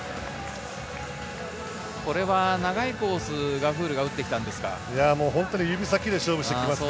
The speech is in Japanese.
これは長いコース、ガフールが打ってきたんですか？